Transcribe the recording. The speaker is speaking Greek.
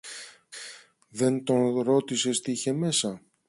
Δεν τον ρώτησες τι είχε μέσα;